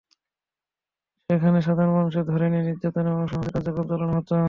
সেখানে সাধারণ মানুষকে ধরে নিয়ে নির্যাতন এবং অসামাজিক কার্যক্রম চালানো হতো।